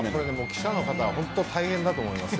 記者の方は本当に大変だと思います。